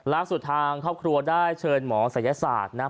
ล้างสุดทางเข้าครัวได้เชิญหมอศัยศาสตร์นะ